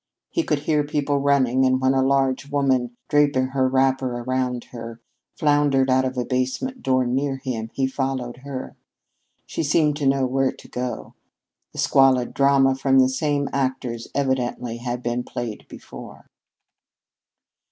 He could hear people running, and when a large woman, draping her wrapper about her, floundered out of a basement door near him, he followed her. She seemed to know where to go. The squalid drama with the same actors evidently had been played before.